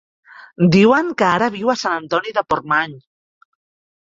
Diuen que ara viu a Sant Antoni de Portmany.